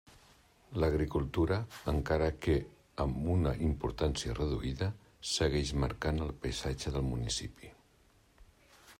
L'agricultura, encara que amb una importància reduïda, segueix marcant el paisatge del municipi.